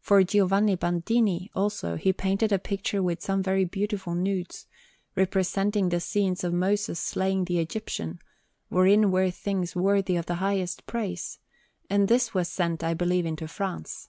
For Giovanni Bandini, also, he painted a picture with some very beautiful nudes, representing the scene of Moses slaying the Egyptian, wherein were things worthy of the highest praise; and this was sent, I believe, into France.